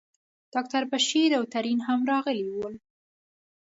ډاکټر بشیر او ترین هم راغلي ول.